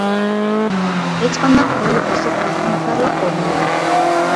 ھېچقانداق روھىي ئوزۇق ۋە ھەمكارلىق بولمايدۇ.